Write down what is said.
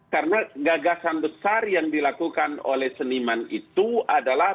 karena gagasan besar yang dilakukan oleh seniman itu adalah